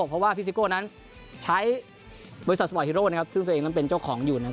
เพราะว่าพี่ซิโก้นั้นใช้บริษัทสปอร์ตฮิโร่นะครับซึ่งตัวเองนั้นเป็นเจ้าของอยู่นะครับ